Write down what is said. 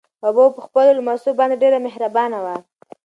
ببو په خپلو لمسو باندې ډېره مهربانه وه.